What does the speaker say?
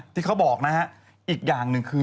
ที่เขาบอกนะฮะอีกอย่างหนึ่งคือ